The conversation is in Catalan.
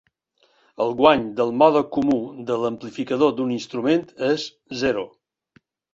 El guany del mode comú de l'amplificador d'un instrument és zero.